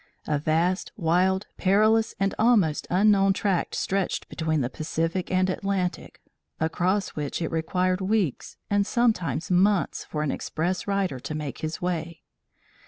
A vast, wild, perilous and almost unknown tract stretched between the Pacific and Atlantic, across which it required weeks and sometimes months for an express rider to make his way.